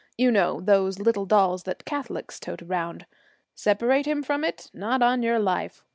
You know, those little dolls that Catholics tote around? Separate him from it? Not on your life.